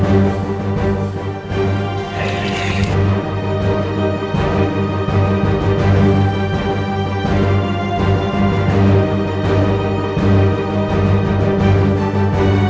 untuk membuatku pdf